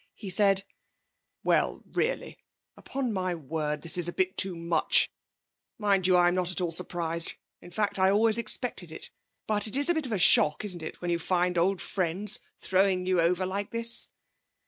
He said: 'Well, really! Upon my word! This is a bit too much! Mind you, I'm not at all surprised. In fact, I always expected it. But it is a bit of a shock, isn't it, when you find old friends throwing you over like this?'